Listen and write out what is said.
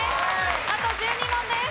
あと１２問です。